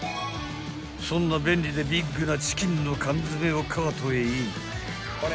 ［そんな便利でビッグなチキンの缶詰をカートへイン］